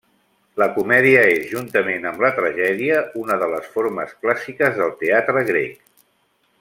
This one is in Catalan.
La comèdia és, juntament amb la tragèdia, una de les formes clàssiques del teatre grec.